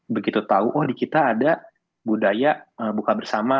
begitu tahu oh di kita ada budaya buka bersama